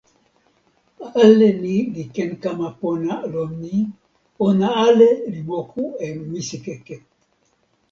ale ni li ken kama pona lon ni: ona ale li moku e misikeke.